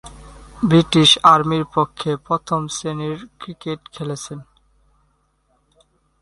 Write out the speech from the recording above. British আর্মির পক্ষে প্রথম-শ্রেণীর ক্রিকেট খেলেছেন।